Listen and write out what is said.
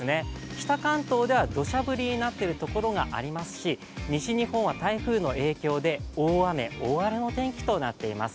北関東ではどしゃ降りになっているところがありますし、西日本は台風の影響で大雨、大荒れの天気となっています。